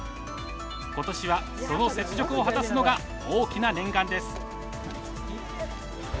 今年はその雪辱を果たすのが大きな念願です。